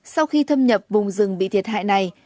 sau khi thâm nhập vùng rừng bị thiệt hại này